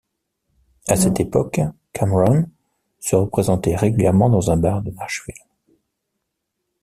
À cette époque, Kameron se représentait régulièrement dans un bar de Nashville.